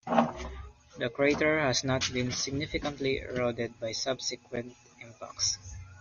The crater has not been significantly eroded by subsequent impacts.